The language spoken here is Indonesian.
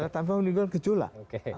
tanpa menimbulkan kejolak